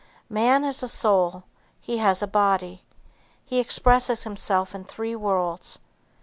Man is a soul. He has a body. He expresses himself in three worlds.